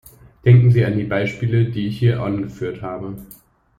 Denken Sie an die Beispiele, die ich hier angeführt habe.